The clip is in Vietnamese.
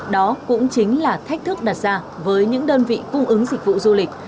đó cũng chính là thách thức đặt ra với những đơn vị cung ứng dịch vụ du lịch